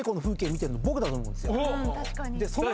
確かに。